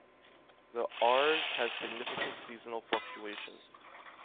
The Arz has significant seasonal fluctuations.